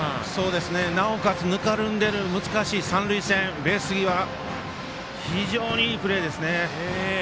なおかつぬかるんでいる難しい三塁線ベース際でしたが非常にいいプレーでした。